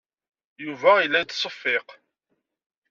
Yuba yella yettseffiq.